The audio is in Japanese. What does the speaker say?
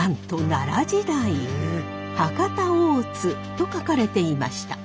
「博多大津」と書かれていました。